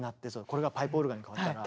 これがパイプオルガンにかわったら。